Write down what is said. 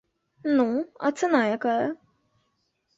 Ну, а цана якая?